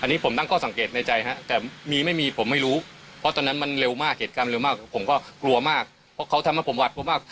ดังนั้นเหตุการณ์มันเร็วมากเหตุการณ์มันเร็วมากผมก็กลัวมากเพราะเขาทำให้ผมหวัดมาก